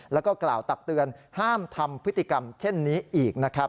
แล้วก็กล่าวตักเตือนห้ามทำพฤติกรรมเช่นนี้อีกนะครับ